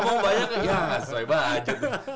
ngomong banyak ya ga sesuai budget